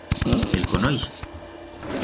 El conoix?